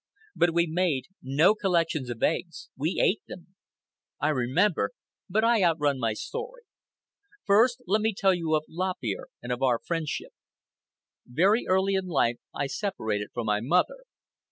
But we made no collections of eggs. We ate them. I remember—but I out run my story. First let me tell of Lop Ear and our friendship. Very early in my life, I separated from my mother.